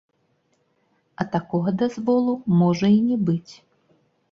А такога дазволу можа і не быць.